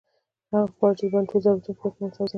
هغه خواړه چې د بدن ټول ضرورتونه پوره کړي متوازنه غذا ده